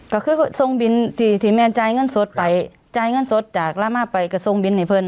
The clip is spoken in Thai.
ก็คือทรงบินที่ที่แม่นจ่ายเงินสดไปจ่ายเงินสดจากลามาไปกระทรวงบินให้เพื่อน